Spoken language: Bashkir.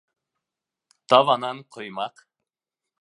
Табанан ҡоймаҡ.